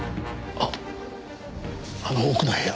あっあの奥の部屋。